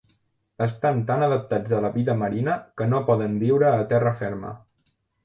Estan tan adaptats a la vida marina que no poden viure a terra ferma.